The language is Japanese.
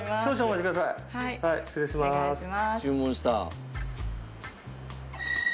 注文した。